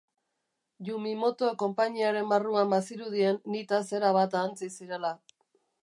Yumimoto konpainiaren barruan bazirudien nitaz erabat ahantzi zirela.